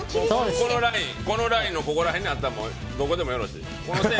このラインのここら辺やったらどこでもよろしい。